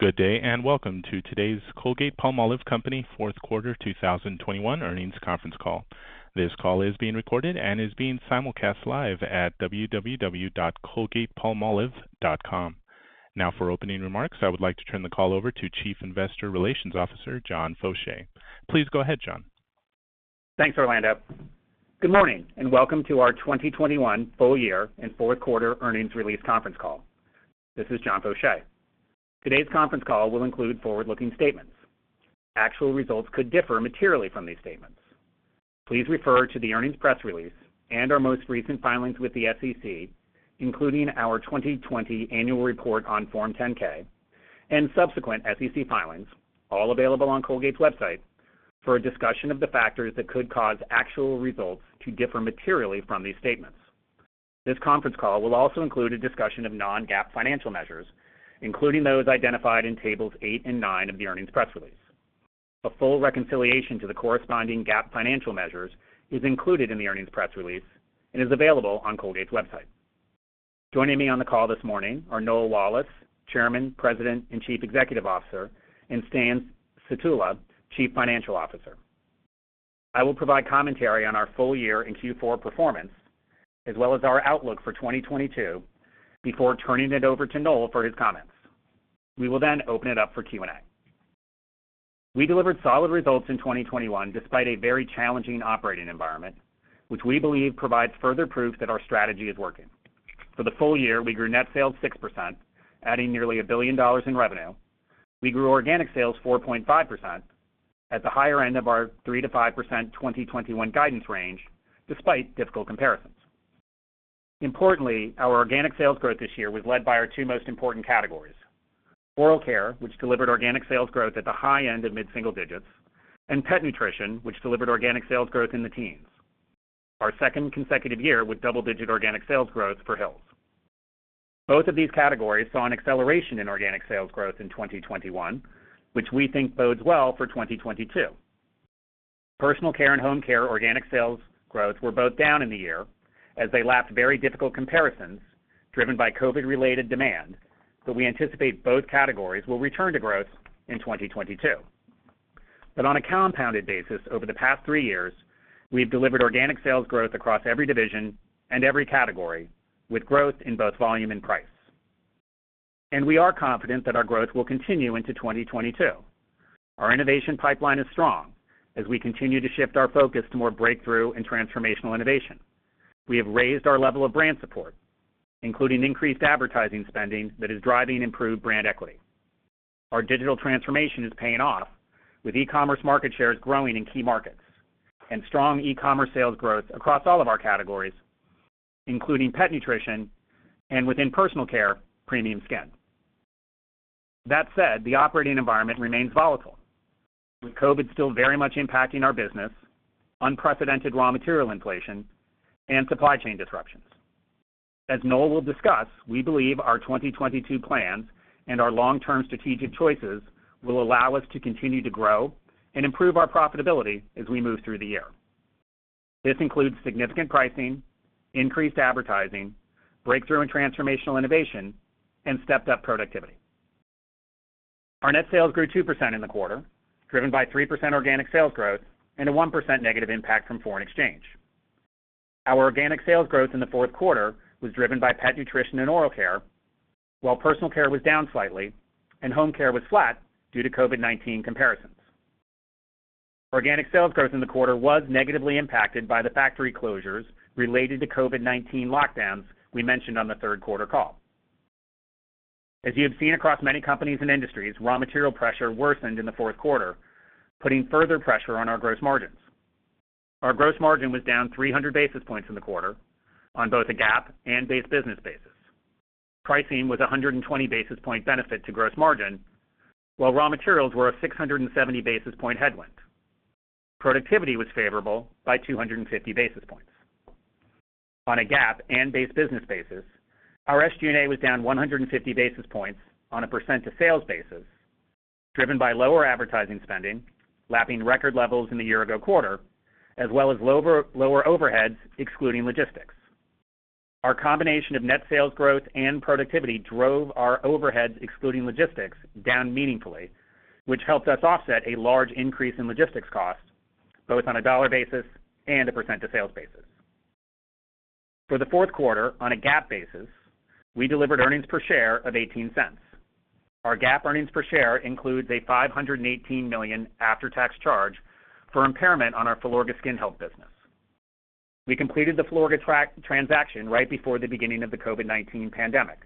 Good day, and welcome to today's Colgate-Palmolive Company fourth quarter 2021 earnings conference call. This call is being recorded and is being simulcast live at www.colgatepalmolive.com. Now for opening remarks, I would like to turn the call over to Chief Investor Relations Officer, John Faucher. Please go ahead, John. Thanks, Orlando. Good morning, and welcome to our 2021 full year and fourth quarter earnings release conference call. This is John Faucher. Today's conference call will include forward-looking statements. Actual results could differ materially from these statements. Please refer to the earnings press release and our most recent filings with the SEC, including our 2020 annual report on Form 10-K and subsequent SEC filings, all available on Colgate's website for a discussion of the factors that could cause actual results to differ materially from these statements. This conference call will also include a discussion of non-GAAP financial measures, including those identified in tables eight and nine of the earnings press release. A full reconciliation to the corresponding GAAP financial measures is included in the earnings press release and is available on Colgate's website. Joining me on the call this morning are Noel Wallace, Chairman, President, and Chief Executive Officer, and Stan Sutula, Chief Financial Officer. I will provide commentary on our full-year and Q4 performance, as well as our outlook for 2022 before turning it over to Noel for his comments. We will then open it up for Q&A. We delivered solid results in 2021 despite a very challenging operating environment, which we believe provides further proof that our strategy is working. For the full year, we grew net sales 6%, adding nearly $1 billion in revenue. We grew organic sales 4.5% at the higher end of our 3%-5% 2021 guidance range despite difficult comparisons. Importantly, our organic sales growth this year was led by our two most important categories. Oral Care, which delivered organic sales growth at the high end of mid-single digits, and Pet Nutrition, which delivered organic sales growth in the teens. Our second consecutive year with double-digit organic sales growth for Hill's. Both of these categories saw an acceleration in organic sales growth in 2021, which we think bodes well for 2022. Personal Care and Home Care organic sales growth were both down in the year as they lapped very difficult comparisons driven by COVID-related demand, but we anticipate both categories will return to growth in 2022. On a compounded basis, over the past three years, we've delivered organic sales growth across every division and every category, with growth in both volume and price. We are confident that our growth will continue into 2022. Our innovation pipeline is strong as we continue to shift our focus to more breakthrough and transformational innovation. We have raised our level of brand support, including increased advertising spending that is driving improved brand equity. Our digital transformation is paying off with e-commerce market shares growing in key markets and strong e-commerce sales growth across all of our categories, including pet nutrition and within personal care, premium skin. That said, the operating environment remains volatile, with COVID still very much impacting our business, unprecedented raw material inflation and supply chain disruptions. As Noel will discuss, we believe our 2022 plans and our long-term strategic choices will allow us to continue to grow and improve our profitability as we move through the year. This includes significant pricing, increased advertising, breakthrough and transformational innovation, and stepped-up productivity. Our net sales grew 2% in the quarter, driven by 3% organic sales growth and a 1% negative impact from foreign exchange. Our organic sales growth in the fourth quarter was driven by pet nutrition and oral care, while personal care was down slightly and home care was flat due to COVID-19 comparisons. Organic sales growth in the quarter was negatively impacted by the factory closures related to COVID-19 lockdowns we mentioned on the third quarter call. As you have seen across many companies and industries, raw material pressure worsened in the fourth quarter, putting further pressure on our gross margins. Our gross margin was down 300 basis points in the quarter on both a GAAP and base business basis. Pricing was 120 basis point benefit to gross margin, while raw materials were a 670 basis point headwind. Productivity was favorable by 250 basis points. On a GAAP and base business basis, our SG&A was down 150 basis points on a percent to sales basis, driven by lower advertising spending, lapping record levels in the year-ago quarter, as well as lower overheads excluding logistics. Our combination of net sales growth and productivity drove our overheads excluding logistics down meaningfully, which helped us offset a large increase in logistics costs both on a dollar basis and a percent to sales basis. For the fourth quarter on a GAAP basis, we delivered earnings per share of $0.18. Our GAAP earnings per share includes a $518 million after-tax charge for impairment on our Filorga skin health business. We completed the Filorga transaction right before the beginning of the COVID-19 pandemic.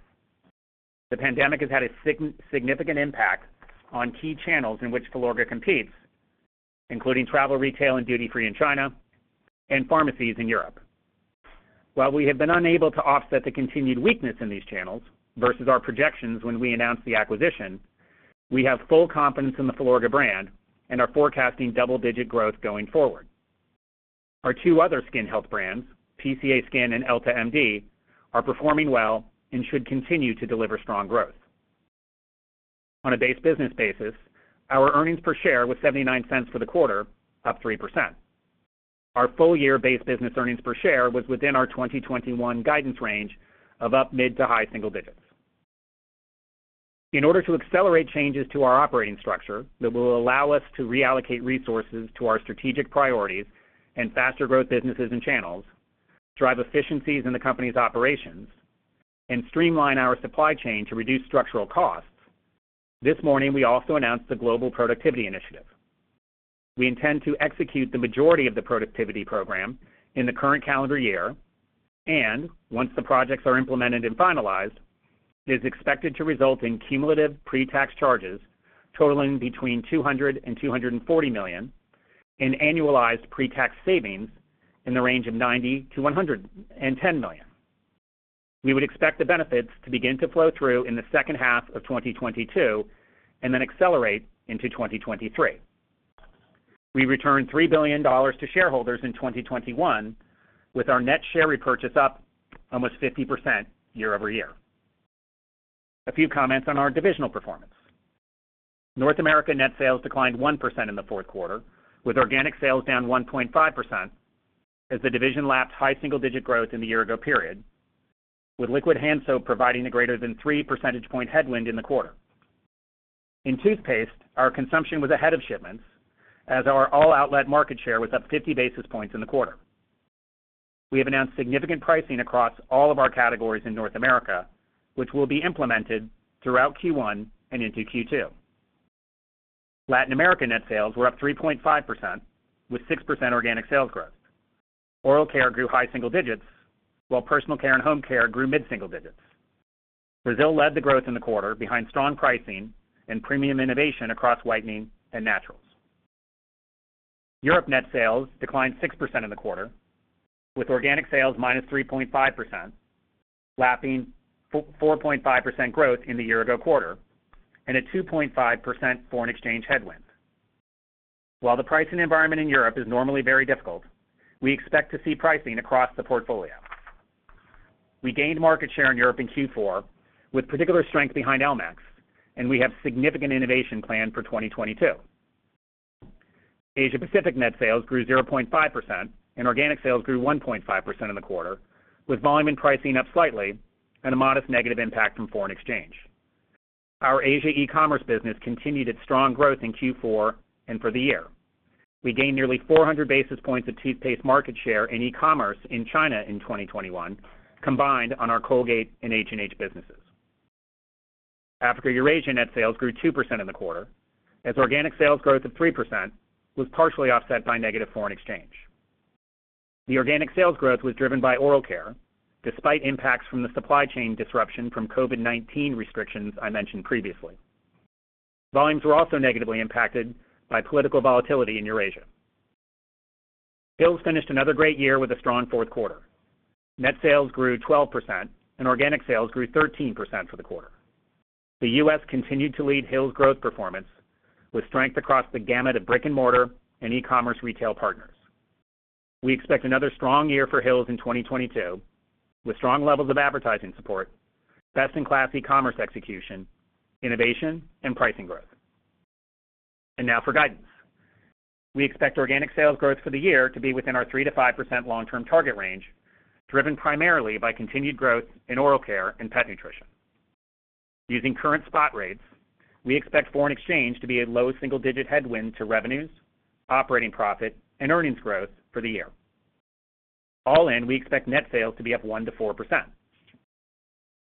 The pandemic has had a significant impact on key channels in which Filorga competes, including travel retail and duty free in China and pharmacies in Europe. While we have been unable to offset the continued weakness in these channels versus our projections when we announced the acquisition, we have full confidence in the Filorga brand and are forecasting double-digit growth going forward. Our two other skin health brands, PCA SKIN and EltaMD, are performing well and should continue to deliver strong growth. On a base business basis, our earnings per share was $0.79 for the quarter, up 3%. Our full year base business earnings per share was within our 2021 guidance range of up mid- to high-single digits. In order to accelerate changes to our operating structure that will allow us to reallocate resources to our strategic priorities and faster growth businesses and channels, drive efficiencies in the company's operations, and streamline our supply chain to reduce structural costs, this morning we also announced the Global Productivity Initiative. We intend to execute the majority of the productivity program in the current calendar year and once the projects are implemented and finalized, it is expected to result in cumulative pre-tax charges totaling between $200 million and $240 million and annualized pre-tax savings in the range of $90 million to $110 million. We would expect the benefits to begin to flow through in the second half of 2022 and then accelerate into 2023. We returned $3 billion to shareholders in 2021, with our net share repurchase up almost 50% year-over-year. A few comments on our divisional performance. North America net sales declined 1% in the fourth quarter, with organic sales down 1.5% as the division lapsed high single-digit growth in the year ago period, with liquid hand soap providing a greater than three percentage point headwind in the quarter. In toothpaste, our consumption was ahead of shipments as our all outlet market share was up 50 basis points in the quarter. We have announced significant pricing across all of our categories in North America, which will be implemented throughout Q1 and into Q2. Latin America net sales were up 3.5%, with 6% organic sales growth. Oral care grew high single digits, while personal care and home care grew mid single digits. Brazil led the growth in the quarter behind strong pricing and premium innovation across whitening and naturals. Europe net sales declined 6% in the quarter, with organic sales -3.5%, lapping 4.5% growth in the year ago quarter and a 2.5% foreign exchange headwind. While the pricing environment in Europe is normally very difficult, we expect to see pricing across the portfolio. We gained market share in Europe in Q4 with particular strength behind elmex, and we have significant innovation planned for 2022. Asia Pacific net sales grew 0.5% and organic sales grew 1.5% in the quarter, with volume and pricing up slightly and a modest negative impact from foreign exchange. Our Asia e-commerce business continued its strong growth in Q4 and for the year. We gained nearly 400 basis points of toothpaste market share in e-commerce in China in 2021, combined on our Colgate and H&H businesses. Africa Eurasia net sales grew 2% in the quarter as organic sales growth of 3% was partially offset by negative foreign exchange. The organic sales growth was driven by oral care, despite impacts from the supply chain disruption from COVID-19 restrictions I mentioned previously. Volumes were also negatively impacted by political volatility in Eurasia. Hill's finished another great year with a strong fourth quarter. Net sales grew 12% and organic sales grew 13% for the quarter. The U.S. continued to lead Hill's growth performance with strength across the gamut of brick-and-mortar and e-commerce retail partners. We expect another strong year for Hill's in 2022, with strong levels of advertising support, best in class e-commerce execution, innovation, and pricing growth. Now for guidance. We expect organic sales growth for the year to be within our 3% to 5% long-term target range, driven primarily by continued growth in oral care and pet nutrition. Using current spot rates, we expect foreign exchange to be a low single-digit headwind to revenues, operating profit, and earnings growth for the year. All in, we expect net sales to be up 1% to 4%.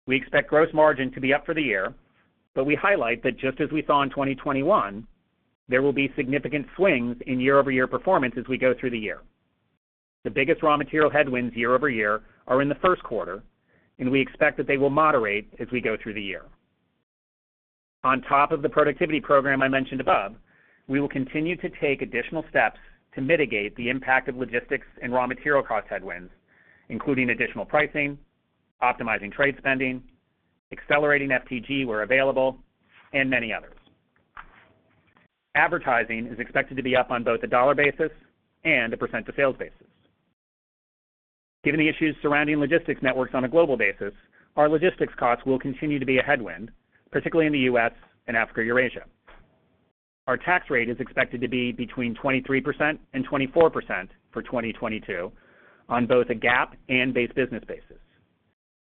We expect gross margin to be up for the year, but we highlight that just as we saw in 2021, there will be significant swings in year-over-year performance as we go through the year. The biggest raw material headwinds year-over-year are in the first quarter, and we expect that they will moderate as we go through the year. On top of the productivity program I mentioned above, we will continue to take additional steps to mitigate the impact of logistics and raw material cost headwinds, including additional pricing, optimizing trade spending, accelerating FTG where available, and many others. Advertising is expected to be up on both a dollar basis and a percent-of-sales basis. Given the issues surrounding logistics networks on a global basis, our logistics costs will continue to be a headwind, particularly in the U.S. and Africa Eurasia. Our tax rate is expected to be between 23% and 24% for 2022 on both a GAAP and base business basis.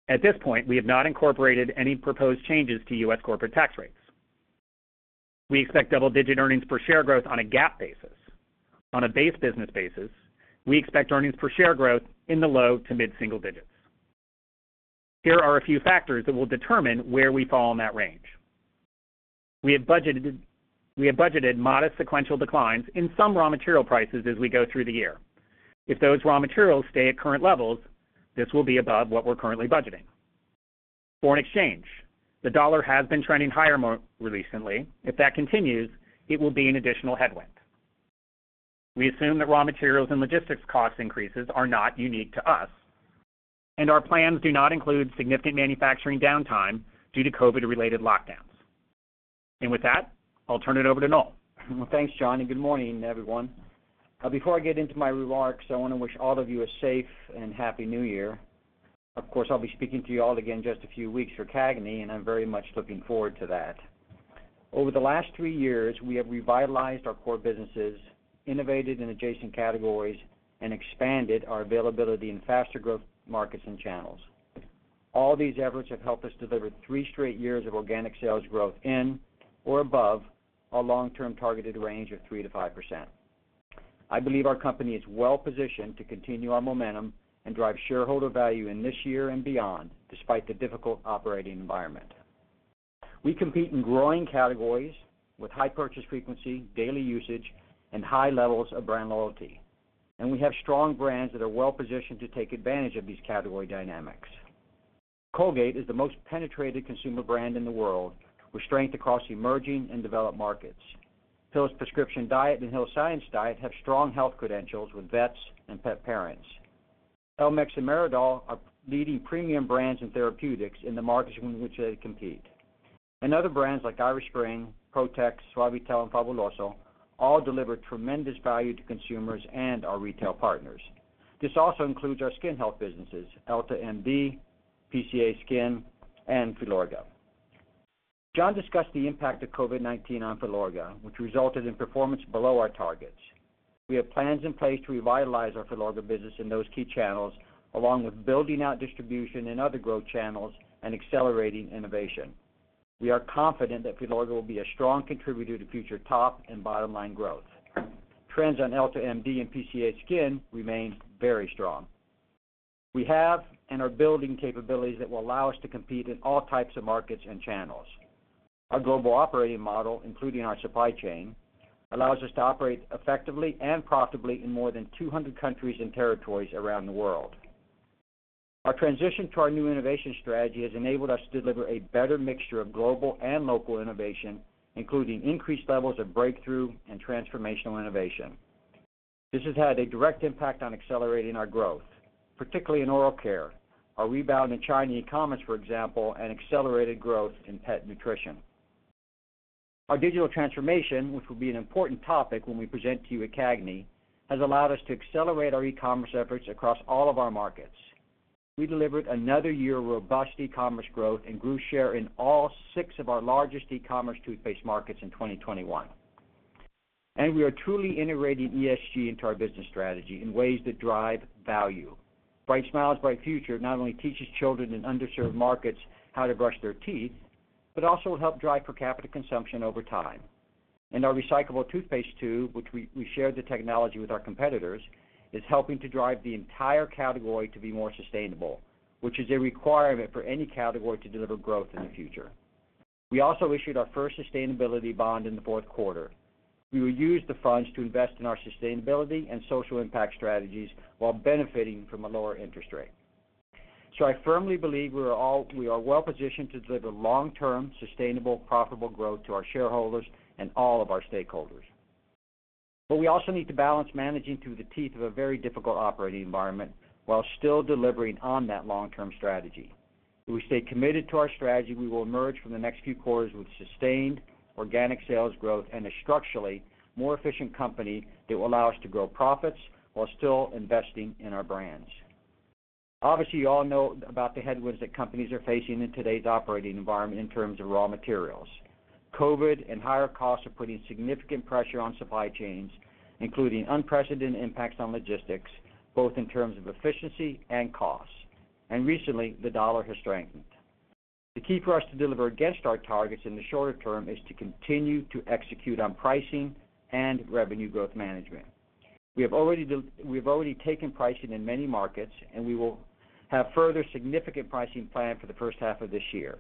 At this point, we have not incorporated any proposed changes to U.S. corporate tax rates. We expect double-digit earnings per share growth on a GAAP basis. On a base business basis, we expect earnings per share growth in the low to mid single digits. Here are a few factors that will determine where we fall in that range. We have budgeted modest sequential declines in some raw material prices as we go through the year. If those raw materials stay at current levels, this will be above what we're currently budgeting. Foreign exchange. The dollar has been trending higher more recently. If that continues, it will be an additional headwind. We assume that raw materials and logistics cost increases are not unique to us, and our plans do not include significant manufacturing downtime due to COVID-related lockdowns. With that, I'll turn it over to Noel. Well, thanks, John, and good morning, everyone. Before I get into my remarks, I wanna wish all of you a safe and Happy New Year. Of course, I'll be speaking to you all again in just a few weeks for CAGNY, and I'm very much looking forward to that. Over the last three years, we have revitalized our core businesses, innovated in adjacent categories, and expanded our availability in faster growth markets and channels. All these efforts have helped us deliver three straight years of organic sales growth in or above our long-term targeted range of 3% to 5%. I believe our company is well-positioned to continue our momentum and drive shareholder value in this year and beyond, despite the difficult operating environment. We compete in growing categories with high purchase frequency, daily usage, and high levels of brand loyalty. We have strong brands that are well-positioned to take advantage of these category dynamics. Colgate is the most penetrated consumer brand in the world, with strength across emerging and developed markets. Hill's Prescription Diet and Hill's Science Diet have strong health credentials with vets and pet parents. Elmex and meridol are leading premium brands in therapeutics in the markets in which they compete. Other brands like Irish Spring, Protex, Suavitel, and Fabuloso all deliver tremendous value to consumers and our retail partners. This also includes our skin health businesses, EltaMD, PCA SKIN, and Filorga. John discussed the impact of COVID-19 on Filorga, which resulted in performance below our targets. We have plans in place to revitalize our Filorga business in those key channels, along with building out distribution in other growth channels and accelerating innovation. We are confident that Filorga will be a strong contributor to future top and bottom-line growth. Trends on EltaMD and PCA SKIN remain very strong. We have and are building capabilities that will allow us to compete in all types of markets and channels. Our global operating model, including our supply chain, allows us to operate effectively and profitably in more than 200 countries and territories around the world. Our transition to our new innovation strategy has enabled us to deliver a better mixture of global and local innovation, including increased levels of breakthrough and transformational innovation. This has had a direct impact on accelerating our growth, particularly in oral care. Our rebound in China e-commerce, for example, and accelerated growth in pet nutrition. Our digital transformation, which will be an important topic when we present to you at CAGNY, has allowed us to accelerate our e-commerce efforts across all of our markets. We delivered another year of robust e-commerce growth and grew share in all six of our largest e-commerce toothpaste markets in 2021. We are truly integrating ESG into our business strategy in ways that drive value. Bright Smiles, Bright Futures not only teaches children in underserved markets how to brush their teeth, but also help drive per capita consumption over time. Our recyclable toothpaste tube, which we share the technology with our competitors, is helping to drive the entire category to be more sustainable, which is a requirement for any category to deliver growth in the future. We also issued our first sustainability bond in the fourth quarter. We will use the funds to invest in our sustainability and social impact strategies while benefiting from a lower interest rate. I firmly believe we are well positioned to deliver long-term, sustainable, profitable growth to our shareholders and all of our stakeholders. We also need to balance managing through the teeth of a very difficult operating environment while still delivering on that long-term strategy. If we stay committed to our strategy, we will emerge from the next few quarters with sustained organic sales growth and a structurally more efficient company that will allow us to grow profits while still investing in our brands. Obviously, you all know about the headwinds that companies are facing in today's operating environment in terms of raw materials. COVID and higher costs are putting significant pressure on supply chains, including unprecedented impacts on logistics, both in terms of efficiency and costs. Recently, the U.S. dollar has strengthened. The key for us to deliver against our targets in the shorter term is to continue to execute on pricing and revenue growth management. We've already taken pricing in many markets, and we will have further significant pricing planned for the first half of this year,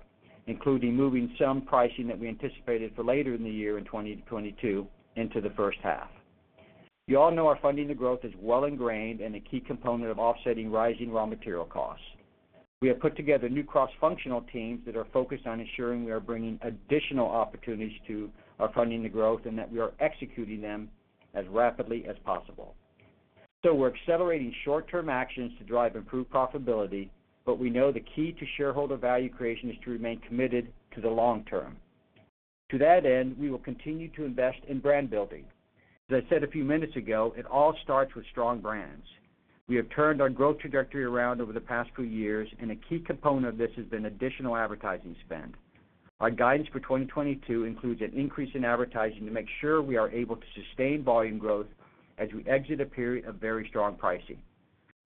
including moving some pricing that we anticipated for later in the year in 2022 into the first half. You all know our funding to growth is well ingrained and a key component of offsetting rising raw material costs. We have put together new cross-functional teams that are focused on ensuring we are bringing additional opportunities to our funding to growth and that we are executing them as rapidly as possible. We're accelerating short-term actions to drive improved profitability, but we know the key to shareholder value creation is to remain committed to the long term. To that end, we will continue to invest in brand building. As I said a few minutes ago, it all starts with strong brands. We have turned our growth trajectory around over the past few years, and a key component of this has been additional advertising spend. Our guidance for 2022 includes an increase in advertising to make sure we are able to sustain volume growth as we exit a period of very strong pricing.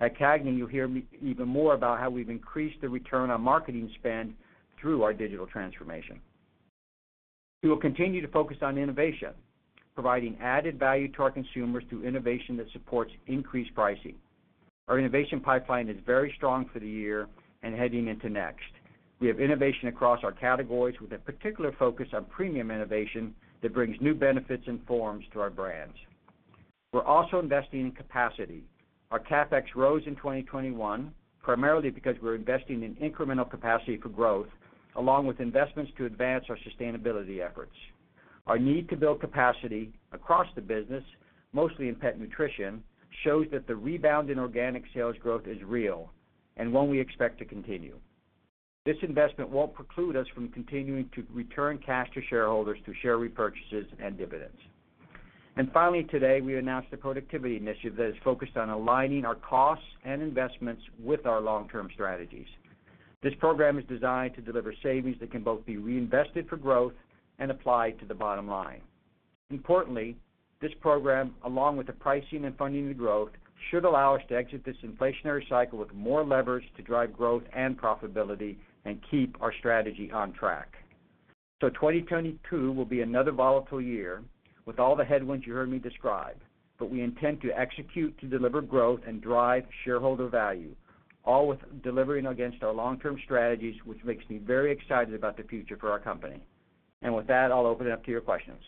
At CAGNY, you'll hear me even more about how we've increased the return on marketing spend through our digital transformation. We will continue to focus on innovation, providing added value to our consumers through innovation that supports increased pricing. Our innovation pipeline is very strong for the year and heading into next. We have innovation across our categories with a particular focus on premium innovation that brings new benefits and forms to our brands. We're also investing in capacity. Our CapEx rose in 2021, primarily because we're investing in incremental capacity for growth, along with investments to advance our sustainability efforts. Our need to build capacity across the business, mostly in pet nutrition, shows that the rebound in organic sales growth is real and one we expect to continue. This investment won't preclude us from continuing to return cash to shareholders through share repurchases and dividends. Finally today, we announced a productivity initiative that is focused on aligning our costs and investments with our long-term strategies. This program is designed to deliver savings that can both be reinvested for growth and applied to the bottom line. Importantly, this program, along with the pricing and funding the growth, should allow us to exit this inflationary cycle with more levers to drive growth and profitability and keep our strategy on track. 2022 will be another volatile year with all the headwinds you heard me describe. We intend to execute to deliver growth and drive shareholder value, all with delivering against our long-term strategies, which makes me very excited about the future for our company. With that, I'll open it up to your questions.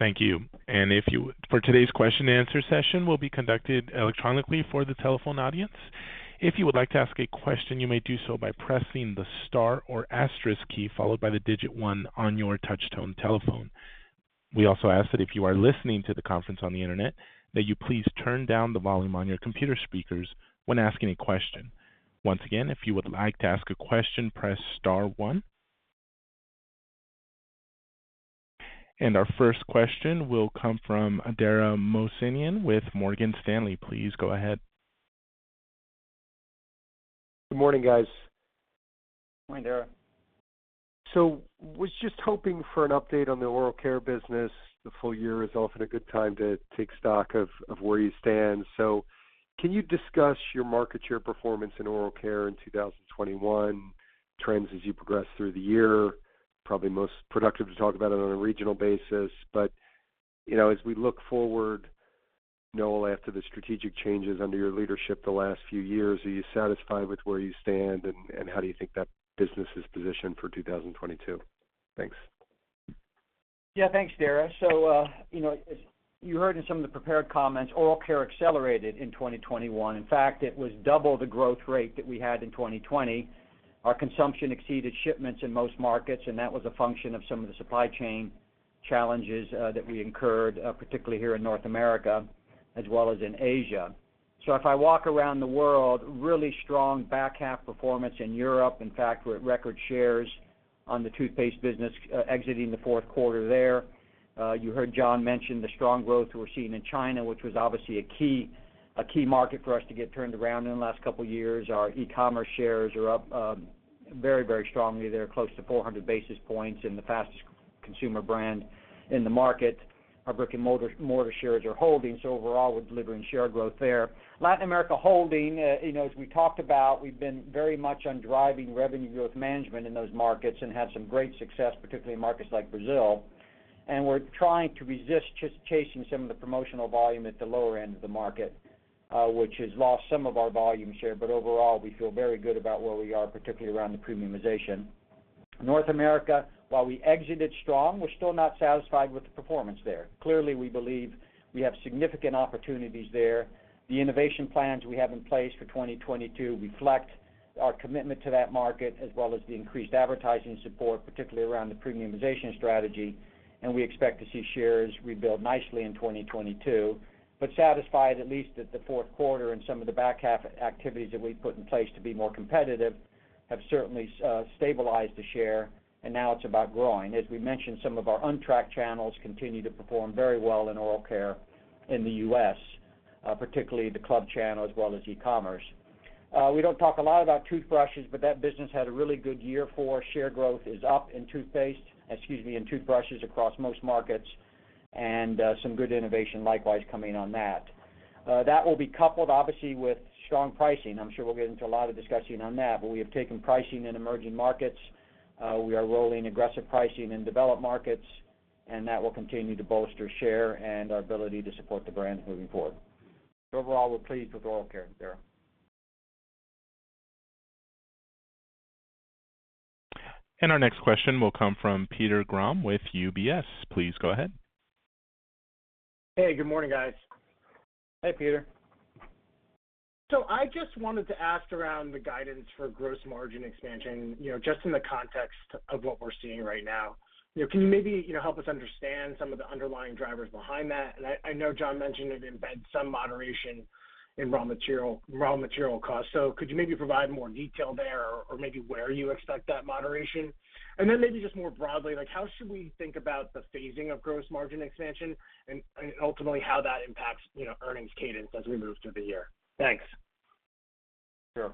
Thank you. For today's question and answer session will be conducted electronically for the telephone audience. If you would like to ask a question, you may do so by pressing the star or asterisk key followed by the digit one on your touch tone telephone. We also ask that if you are listening to the conference on the Internet, that you please turn down the volume on your computer speakers when asking a question. Once again, if you would like to ask a question, press star one. Our first question will come from Dara Mohsenian with Morgan Stanley. Please go ahead. Good morning, guys. Good morning, Dara. was just hoping for an update on the Oral Care business. The full year is often a good time to take stock of where you stand. can you discuss your market share performance in Oral Care in 2021, trends as you progress through the year? Probably most productive to talk about it on a regional basis. you know, as we look forward, Noel, after the strategic changes under your leadership the last few years, are you satisfied with where you stand, and how do you think that business is positioned for 2022? Thanks. Yeah, thanks, Dara. You know, as you heard in some of the prepared comments, Oral Care accelerated in 2021. In fact, it was double the growth rate that we had in 2020. Our consumption exceeded shipments in most markets, and that was a function of some of the supply chain challenges that we incurred, particularly here in North America as well as in Asia. If I walk around the world, really strong back half performance in Europe. In fact, we're at record shares on the toothpaste business exiting the fourth quarter there. You heard John mention the strong growth we're seeing in China, which was obviously a key market for us to get turned around in the last couple years. Our e-commerce shares are up, very, very strongly. They're close to 400 basis points and the fastest consumer brand in the market. Our brick-and-mortar shares are holding, so overall, we're delivering share growth there. Latin America holding, you know, as we talked about, we've been very much on driving revenue growth management in those markets and had some great success, particularly in markets like Brazil. We're trying to resist just chasing some of the promotional volume at the lower end of the market, which has lost some of our volume share. But overall, we feel very good about where we are, particularly around the premiumization. North America, while we exited strong, we're still not satisfied with the performance there. Clearly, we believe we have significant opportunities there. The innovation plans we have in place for 2022 reflect our commitment to that market, as well as the increased advertising support, particularly around the premiumization strategy, and we expect to see shares rebuild nicely in 2022. Satisfied at least that the fourth quarter and some of the back half activities that we've put in place to be more competitive have certainly stabilized the share, and now it's about growing. As we mentioned, some of our untracked channels continue to perform very well in Oral Care in the U.S., particularly the club channel as well as e-commerce. We don't talk a lot about toothbrushes, but that business had a really good year for share growth in toothbrushes across most markets, and some good innovation likewise coming on that. That will be coupled obviously with strong pricing. I'm sure we'll get into a lot of discussion on that. We have taken pricing in emerging markets, we are rolling aggressive pricing in developed markets, and that will continue to bolster share and our ability to support the brands moving forward. Overall, we're pleased with Oral Care, Dara. Our next question will come from Peter Grom with UBS. Please go ahead. Hey, good morning, guys. Hey, Peter. I just wanted to ask around the guidance for gross margin expansion, you know, just in the context of what we're seeing right now. You know, can you maybe, you know, help us understand some of the underlying drivers behind that? I know John mentioned it embeds some moderation in raw material costs. Could you maybe provide more detail there or maybe where you expect that moderation? Maybe just more broadly, like how should we think about the phasing of gross margin expansion and ultimately how that impacts, you know, earnings cadence as we move through the year? Thanks. Sure.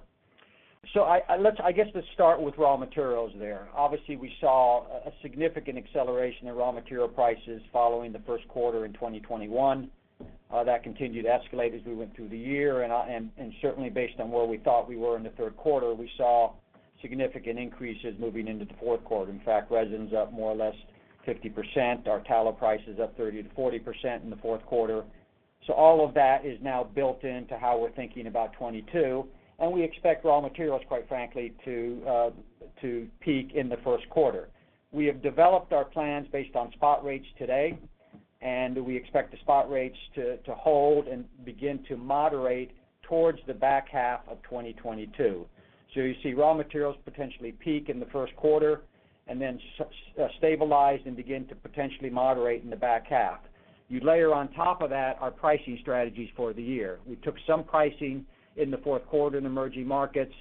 I guess let's start with raw materials there. Obviously, we saw a significant acceleration in raw material prices following the first quarter in 2021. That continued to escalate as we went through the year, and certainly based on where we thought we were in the third quarter, we saw significant increases moving into the fourth quarter. In fact, resin's up more or less 50%. Our tallow price is up 30% to 40% in the fourth quarter. All of that is now built into how we're thinking about 2022, and we expect raw materials, quite frankly, to peak in the first quarter. We have developed our plans based on spot rates today, and we expect the spot rates to hold and begin to moderate towards the back half of 2022. You see raw materials potentially peak in the first quarter and then stabilize and begin to potentially moderate in the back half. You layer on top of that our pricing strategies for the year. We took some pricing in the fourth quarter in emerging markets.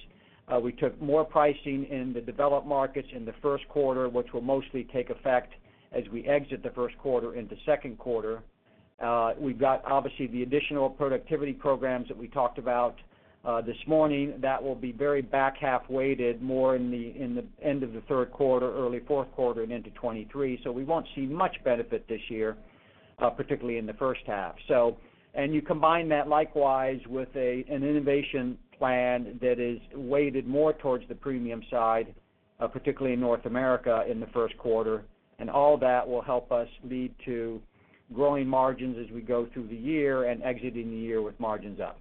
We took more pricing in the developed markets in the first quarter, which will mostly take effect as we exit the first quarter into second quarter. We've got, obviously, the additional productivity programs that we talked about this morning that will be very back-half weighted more in the end of the third quarter, early fourth quarter and into 2023. We won't see much benefit this year, particularly in the first half. You combine that likewise with an innovation plan that is weighted more towards the premium side, particularly in North America in the first quarter, and all that will help us lead to growing margins as we go through the year and exiting the year with margins up.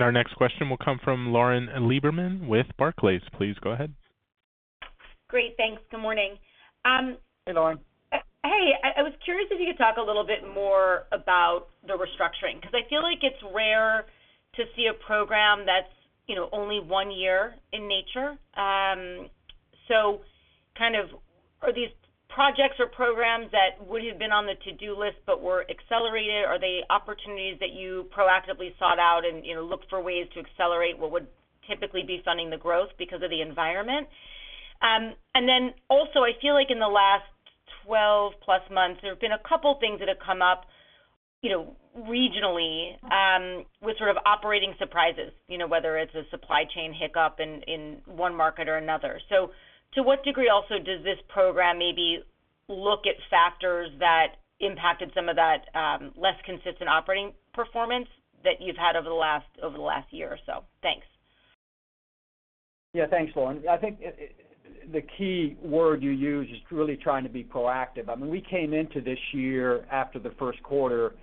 Our next question will come from Lauren Lieberman with Barclays. Please go ahead. Great. Thanks. Good morning. Hey, Lauren. Hey. I was curious if you could talk a little bit more about the restructuring because I feel like it's rare to see a program that's, you know, only one year in nature. Kind of, are these projects or programs that would have been on the to-do list but were accelerated? Are they opportunities that you proactively sought out and, you know, looked for ways to accelerate what would typically be funding the growth because of the environment? I feel like in the last 12+ months, there have been a couple things that have come up, you know, regionally, with sort of operating surprises, you know, whether it's a supply chain hiccup in one market or another. To what degree also does this program maybe look at factors that impacted some of that, less consistent operating performance that you've had over the last year or so? Thanks. Yeah. Thanks, Lauren. I think the key word you used is really trying to be proactive. I mean, we came into this year after the first quarter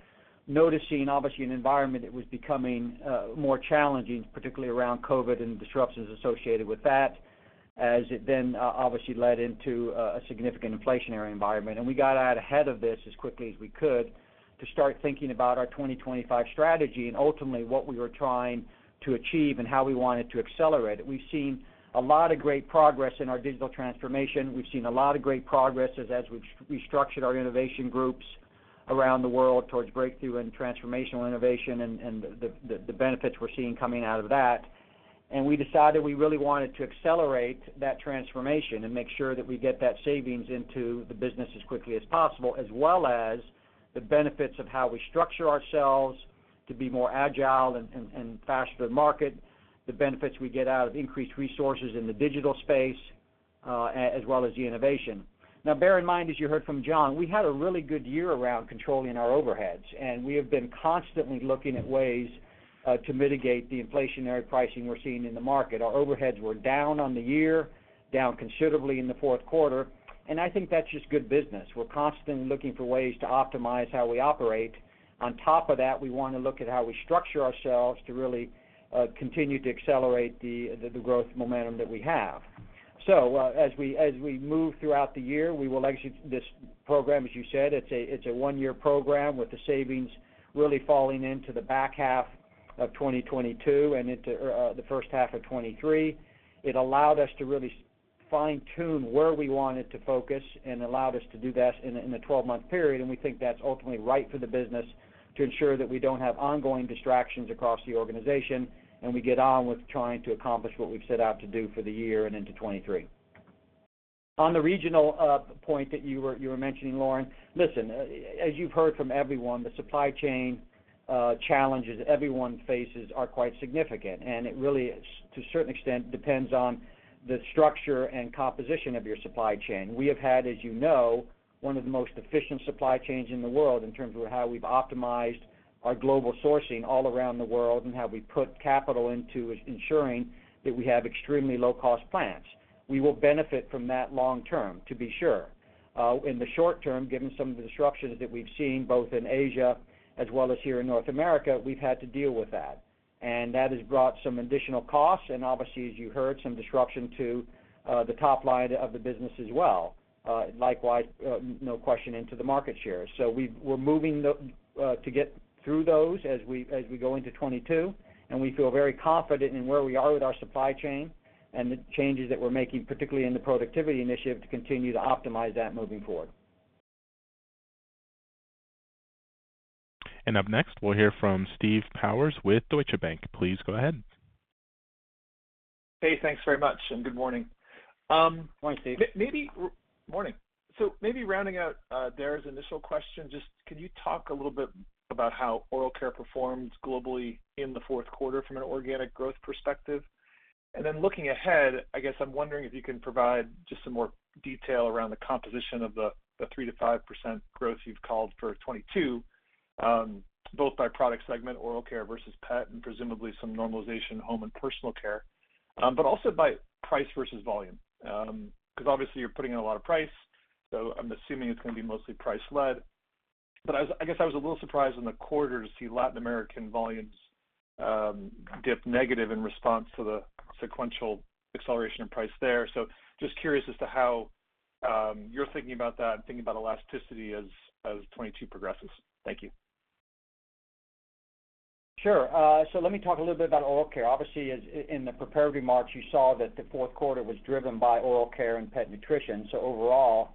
noticing obviously an environment that was becoming more challenging, particularly around COVID and the disruptions associated with that, as it then obviously led into a significant inflationary environment. We got out ahead of this as quickly as we could to start thinking about our 2025 strategy and ultimately what we were trying to achieve and how we wanted to accelerate it. We've seen a lot of great progress in our digital transformation. We've seen a lot of great progress as we've restructured our innovation groups around the world towards breakthrough and transformational innovation and the benefits we're seeing coming out of that. We decided we really wanted to accelerate that transformation and make sure that we get that savings into the business as quickly as possible, as well as the benefits of how we structure ourselves to be more agile and faster to market, the benefits we get out of increased resources in the digital space, as well as the innovation. Now bear in mind, as you heard from John, we had a really good year around controlling our overheads, and we have been constantly looking at ways to mitigate the inflationary pricing we're seeing in the market. Our overheads were down on the year, down considerably in the fourth quarter, and I think that's just good business. We're constantly looking for ways to optimize how we operate. On top of that, we wanna look at how we structure ourselves to really continue to accelerate the growth momentum that we have. As we move throughout the year, we will execute this program. As you said, it's a one-year program with the savings really falling into the back half of 2022 and into the first half of 2023. It allowed us to really fine-tune where we wanted to focus and allowed us to do that in a 12-month period, and we think that's ultimately right for the business to ensure that we don't have ongoing distractions across the organization, and we get on with trying to accomplish what we've set out to do for the year and into 2023. On the regional point that you were mentioning, Lauren, listen, as you've heard from everyone, the supply chain challenges everyone faces are quite significant, and it really, to a certain extent, depends on the structure and composition of your supply chain. We have had, as you know, one of the most efficient supply chains in the world in terms of how we've optimized our global sourcing all around the world and how we put capital into ensuring that we have extremely low-cost plants. We will benefit from that long term, to be sure. In the short term, given some of the disruptions that we've seen both in Asia as well as here in North America, we've had to deal with that. That has brought some additional costs and obviously, as you heard, some disruption to the top line of the business as well, likewise no question into the market share. We're moving to get through those as we go into 2022, and we feel very confident in where we are with our supply chain and the changes that we're making, particularly in the productivity initiative, to continue to optimize that moving forward. Up next, we'll hear from Steve Powers with Deutsche Bank. Please go ahead. Hey, thanks very much, and good morning. Morning, Steve. Morning. Maybe rounding out Dara's initial question, just can you talk a little bit about how Oral Care performed globally in the fourth quarter from an organic growth perspective? And then looking ahead, I guess I'm wondering if you can provide just some more detail around the composition of the 3% to 5% growth you've called for 2022, both by product segment, Oral Care versus Pet, and presumably some normalization Home and Personal Care, but also by price versus volume. 'Cause obviously you're putting in a lot of price, so I'm assuming it's gonna be mostly price-led. I guess I was a little surprised in the quarter to see Latin American volumes dip negative in response to the sequential acceleration in price there. Just curious as to how you're thinking about that and thinking about elasticity as 2022 progresses. Thank you. Sure. Let me talk a little bit about Oral Care. Obviously, as in the prepared remarks, you saw that the fourth quarter was driven by Oral Care and Pet Nutrition. Overall,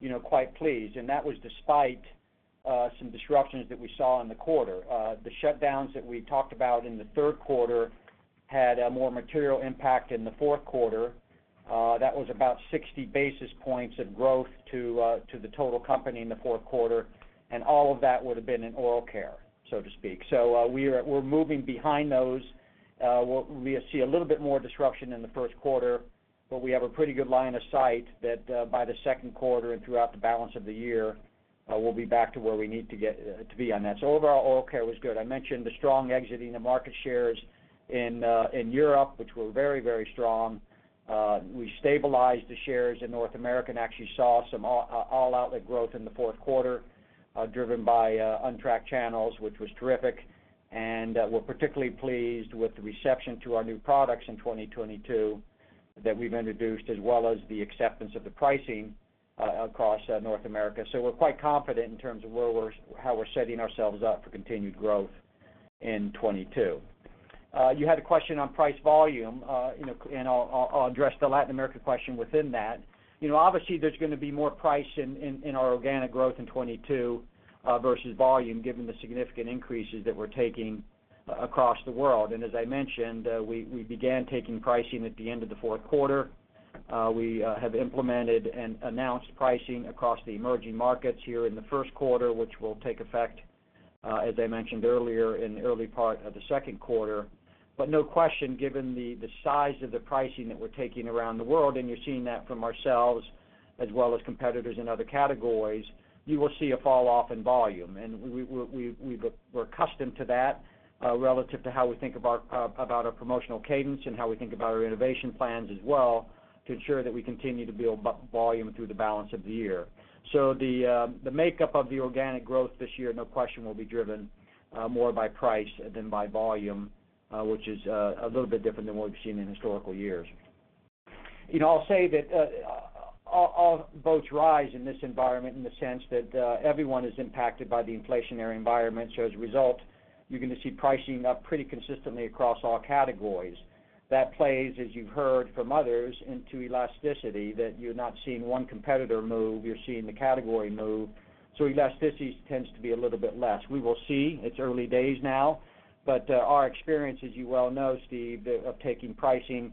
you know, quite pleased, and that was despite some disruptions that we saw in the quarter. The shutdowns that we talked about in the third quarter had a more material impact in the fourth quarter. That was about 60 basis points of growth to the total company in the fourth quarter, and all of that would have been in Oral Care, so to speak. We're moving beyond those. We see a little bit more disruption in the first quarter, but we have a pretty good line of sight that by the second quarter and throughout the balance of the year, we'll be back to where we need to get to be on that. So overall, oral care was good. I mentioned the strong exiting the market shares in Europe, which were very, very strong. We stabilized the shares in North America and actually saw some all-outlet growth in the fourth quarter driven by untracked channels, which was terrific. We're particularly pleased with the reception to our new products in 2022 that we've introduced, as well as the acceptance of the pricing across North America. We're quite confident in terms of how we're setting ourselves up for continued growth in 2022. You had a question on price volume, you know, and I'll address the Latin America question within that. You know, obviously, there's gonna be more price in our organic growth in 2022 versus volume, given the significant increases that we're taking across the world. As I mentioned, we began taking pricing at the end of the fourth quarter. We have implemented and announced pricing across the emerging markets here in the first quarter, which will take effect, as I mentioned earlier, in the early part of the second quarter. No question, given the size of the pricing that we're taking around the world, and you're seeing that from ourselves as well as competitors in other categories, you will see a falloff in volume. We're accustomed to that relative to how we think about our promotional cadence and how we think about our innovation plans as well to ensure that we continue to build volume through the balance of the year. The makeup of the organic growth this year, no question, will be driven more by price than by volume, which is a little bit different than what we've seen in historical years. You know, I'll say that all boats rise in this environment in the sense that everyone is impacted by the inflationary environment. As a result, you're gonna see pricing up pretty consistently across all categories. That plays, as you've heard from others, into elasticity, that you're not seeing one competitor move, you're seeing the category move. Elasticity tends to be a little bit less. We will see. It's early days now. Our experience, as you well know, Steve, of taking pricing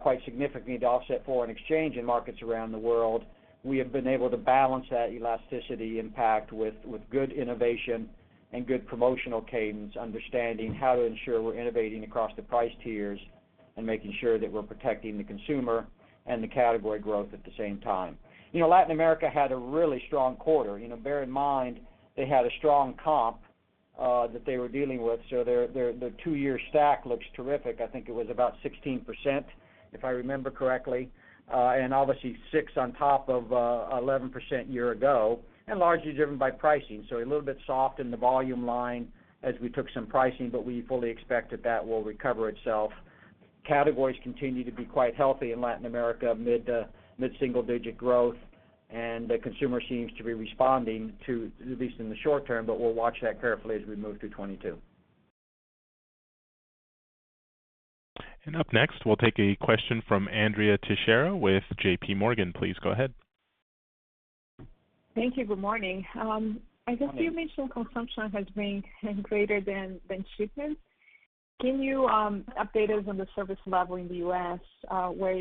quite significantly to offset foreign exchange in markets around the world, we have been able to balance that elasticity impact with good innovation and good promotional cadence, understanding how to ensure we're innovating across the price tiers and making sure that we're protecting the consumer and the category growth at the same time. You know, Latin America had a really strong quarter. You know, bear in mind, they had a strong comp that they were dealing with, so their two-year stack looks terrific. I think it was about 16%, if I remember correctly. Obviously 6% on top of 11% year ago, and largely driven by pricing. A little bit soft in the volume line as we took some pricing, but we fully expect that will recover itself. Categories continue to be quite healthy in Latin America, mid-single-digit growth, and the consumer seems to be responding to, at least in the short term, but we'll watch that carefully as we move through 2022. Up next, we'll take a question from Andrea Teixeira with J.P. Morgan. Please go ahead. Thank you. Good morning. Hi You mentioned consumption has been greater than shipments. Can you update us on the service level in the U.S., where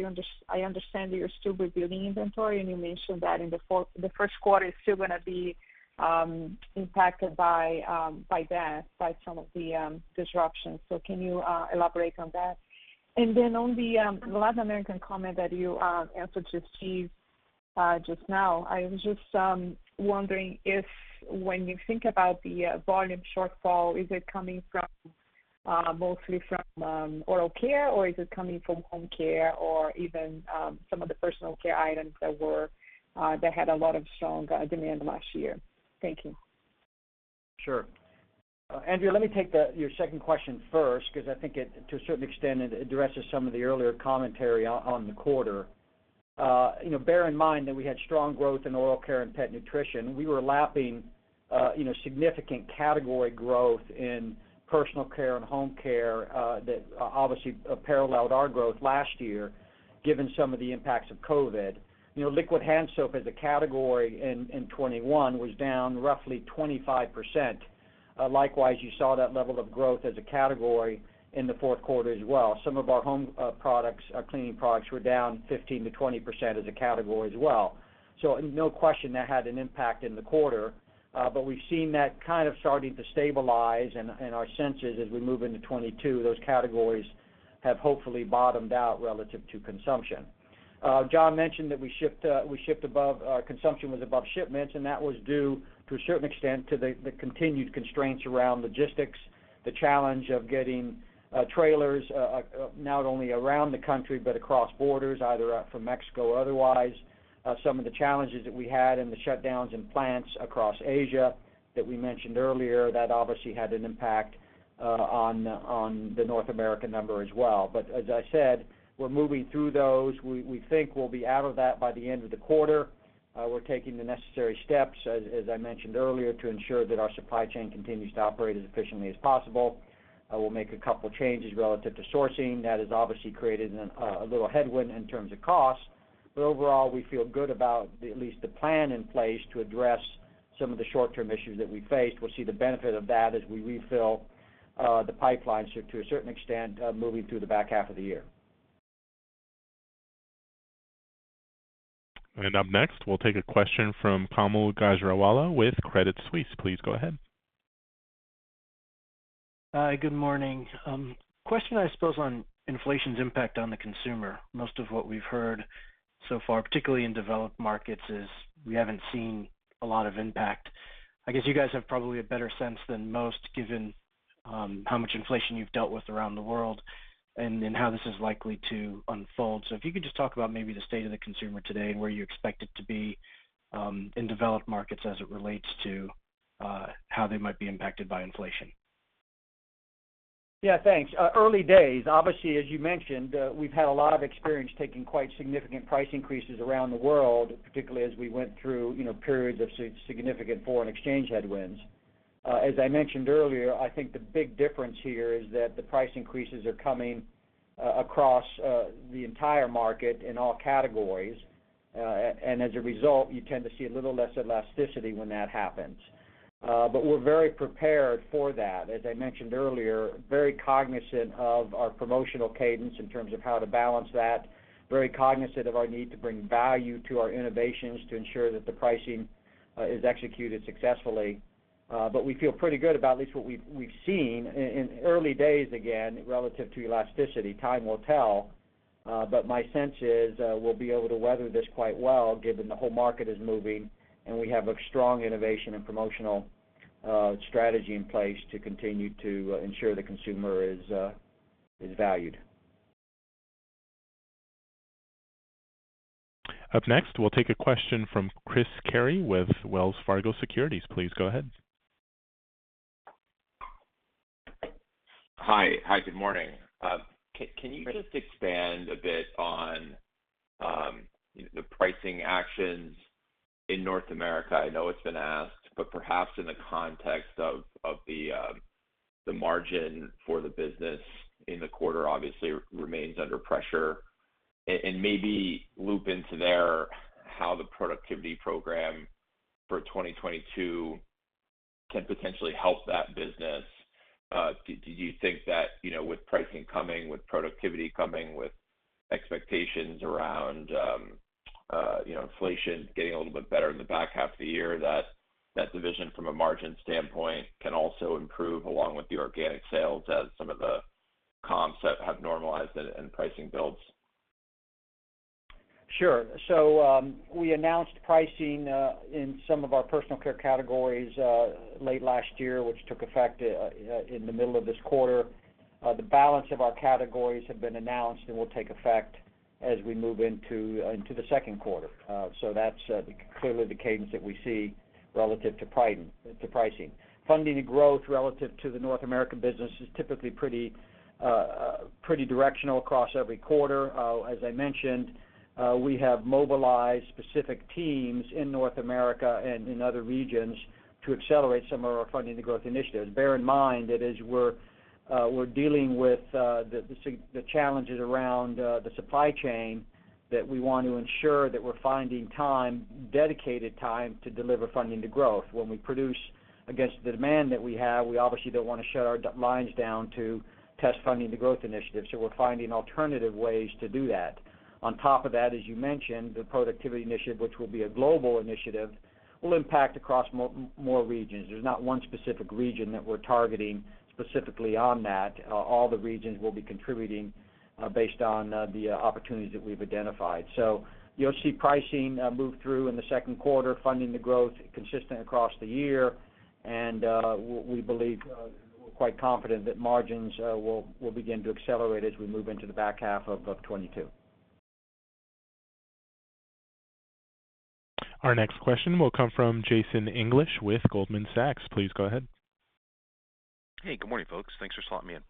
I understand that you're still rebuilding inventory, and you mentioned that in the first quarter is still gonna be impacted by that, by some of the disruptions. Can you elaborate on that? On the Latin American comment that you answered to Steve just now, I was just wondering if when you think about the volume shortfall, is it coming from mostly from oral care, or is it coming from home care or even some of the personal care items that had a lot of strong demand last year? Thank you. Sure. Andrea, let me take your second question first, 'cause I think it, to a certain extent, addresses some of the earlier commentary on the quarter. You know, bear in mind that we had strong growth in oral care and pet nutrition. We were lapping, you know, significant category growth in personal care and home care, that obviously paralleled our growth last year, given some of the impacts of COVID. You know, liquid hand soap as a category in 2021 was down roughly 25%. Likewise, you saw that level of growth as a category in the fourth quarter as well. Some of our home products, cleaning products were down 15% to 20% as a category as well. No question that had an impact in the quarter, but we've seen that kind of starting to stabilize, and our sense is as we move into 2022, those categories have hopefully bottomed out relative to consumption. John mentioned that consumption was above shipments, and that was due to a certain extent to the continued constraints around logistics, the challenge of getting trailers not only around the country, but across borders, either from Mexico or otherwise. Some of the challenges that we had and the shutdowns in plants across Asia that we mentioned earlier, that obviously had an impact on the North America number as well. As I said, we're moving through those. We think we'll be out of that by the end of the quarter. We're taking the necessary steps, as I mentioned earlier, to ensure that our supply chain continues to operate as efficiently as possible. We'll make a couple changes relative to sourcing. That has obviously created a little headwind in terms of cost. Overall, we feel good about at least the plan in place to address some of the short-term issues that we faced. We'll see the benefit of that as we refill the pipeline so to a certain extent, moving through the back half of the year. Up next, we'll take a question from Kaumil Gajrawala with Credit Suisse. Please go ahead. Hi, good morning. Question, I suppose, on inflation's impact on the consumer. Most of what we've heard so far, particularly in developed markets, is we haven't seen a lot of impact. I guess you guys have probably a better sense than most given how much inflation you've dealt with around the world and how this is likely to unfold. If you could just talk about maybe the state of the consumer today and where you expect it to be in developed markets as it relates to how they might be impacted by inflation. Yeah, thanks. Early days, obviously, as you mentioned, we've had a lot of experience taking quite significant price increases around the world, particularly as we went through, you know, periods of significant foreign exchange headwinds. As I mentioned earlier, I think the big difference here is that the price increases are coming across the entire market in all categories. And as a result, you tend to see a little less elasticity when that happens. We're very prepared for that. As I mentioned earlier, very cognizant of our promotional cadence in terms of how to balance that, very cognizant of our need to bring value to our innovations to ensure that the pricing is executed successfully. We feel pretty good about at least what we've seen in early days, again, relative to elasticity. Time will tell. My sense is, we'll be able to weather this quite well, given the whole market is moving and we have a strong innovation and promotional strategy in place to continue to ensure the consumer is valued. Up next, we'll take a question from Christopher Carey with Wells Fargo Securities. Please go ahead. Hi, good morning. Can you just expand a bit on the pricing actions in North America? I know it's been asked, but perhaps in the context of the margin for the business in the quarter obviously remains under pressure. Maybe loop into there how the productivity program for 2022 can potentially help that business. Do you think that, you know, with pricing coming, with productivity coming, with expectations around, you know, inflation getting a little bit better in the back half of the year, that division from a margin standpoint can also improve along with the organic sales as some of the comps have normalized and pricing builds? Sure. We announced pricing in some of our personal care categories late last year, which took effect in the middle of this quarter. The balance of our categories have been announced and will take effect as we move into the second quarter. That's clearly the cadence that we see relative to pricing. Funding the growth relative to the North American business is typically pretty directional across every quarter. As I mentioned, we have mobilized specific teams in North America and in other regions to accelerate some of our funding the growth initiatives. Bear in mind that as we're dealing with the challenges around the supply chain, that we want to ensure that we're finding dedicated time to deliver funding to growth. When we produce against the demand that we have, we obviously don't wanna shut our lines down to test funding the growth initiatives, so we're finding alternative ways to do that. On top of that, as you mentioned, the productivity initiative, which will be a global initiative, will impact across more regions. There's not one specific region that we're targeting specifically on that. All the regions will be contributing based on the opportunities that we've identified. So you'll see pricing move through in the second quarter, funding the growth consistent across the year. We believe we're quite confident that margins will begin to accelerate as we move into the back half of 2022. Our next question will come from Jason English with Goldman Sachs. Please go ahead. Hey, good morning, folks. Thanks for slotting me in.